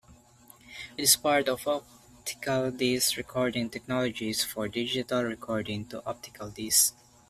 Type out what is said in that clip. It is part of optical disc recording technologies for digital recording to optical disc.